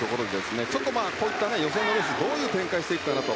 ちょっと、予選のレースどういう展開にしていくのかと。